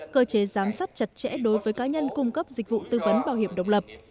cơ chế giám sát chặt chẽ đối với cá nhân cung cấp dịch vụ tư vấn bảo hiểm độc lập